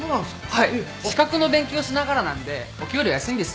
はい資格の勉強しながらなんでお給料安いんですよ。